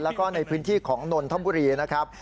แล้วก็ในพื้นที่ของนนทบุรีนะครับ